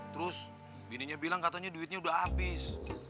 terus bininya bilang katanya duitnya udah habis